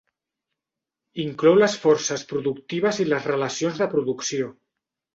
Inclou les forces productives i les relacions de producció.